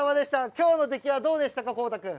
今日の出来はどうでしたか？